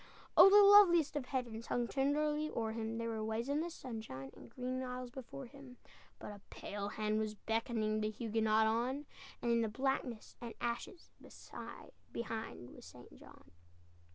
Oh, the loveliest of heavens Hung tenderly o'er him, There were waves in the sunshine, And green isles before him; But a pale hand was beckoning The Huguenot on; And in blackness and ashes Behind was St. John!